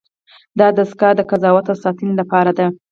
دا دستگاه د قضاوت او ساتنې لپاره ده.